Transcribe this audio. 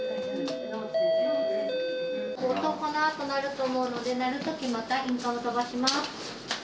音、このあと鳴ると思うので、鳴るときまたインカム飛ばします。